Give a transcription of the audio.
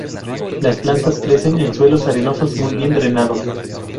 Las plantas crecen en suelos arenosos muy bien drenados.